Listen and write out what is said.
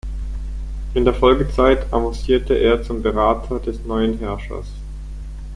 In der Folgezeit avancierte er zum Berater des neuen Herrschers.